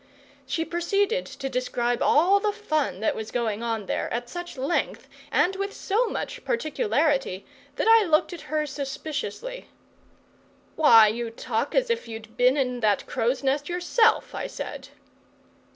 She proceeded to describe all the fun that was going on there, at such length and with so much particularity that I looked at her suspiciously. "Why, you talk as if you'd been in that crow's nest yourself!" I said.